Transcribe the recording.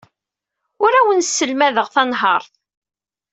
Ur awen-sselmadeɣ tanhaṛt.